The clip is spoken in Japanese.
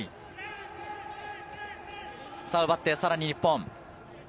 奪ってさらに日本。